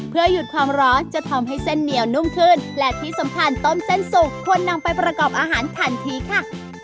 เพื่อหยุดความร้อนจะทำให้เส้นเหนียวนุ่มขึ้นและที่สำคัญต้มเส้นสุกควรนำไปประกอบอาหารทันทีค่ะ